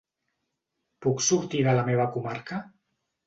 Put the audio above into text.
Puc sortir de la meva comarca?